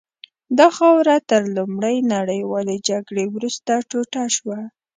دا خاوره تر لومړۍ نړیوالې جګړې وروسته ټوټه شوه.